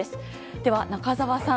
では、中澤さん。